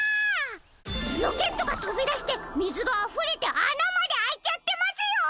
ロケットがとびだしてみずがあふれてあなまであいちゃってますよ！